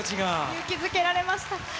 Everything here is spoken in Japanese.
勇気づけられました。